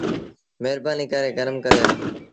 مهربآنيٚ ڪري گرم ڪري آ۔